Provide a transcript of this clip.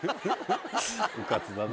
うかつだな。